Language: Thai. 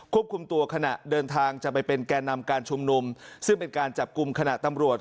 คุมตัวขณะเดินทางจะไปเป็นแก่นำการชุมนุมซึ่งเป็นการจับกลุ่มขณะตำรวจ